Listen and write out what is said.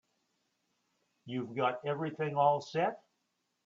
You've got everything all set?